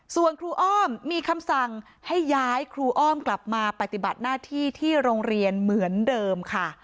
ส่วนครูอ้อมมีคำสั่งให้ย้ายครูอ้อมกลับมาปฏิบัติหน้าที่ที่โรงเรียนเหมือนเดิมค่ะ